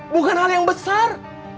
bukan hal yang besar